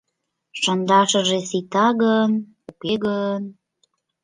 Шындашыже сита гын, уке гын?